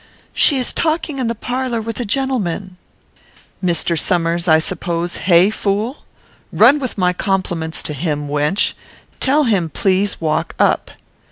"She is talking in the parlour with a gentleman." "Mr. Somers, I suppose; hey, fool? Run with my compliments to him, wench. Tell him, please walk up."